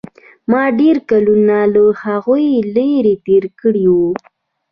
ما ډېر کلونه له هغوى لرې تېر کړي وو.